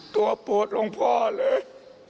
ตัวโปรดลงพ่อเลย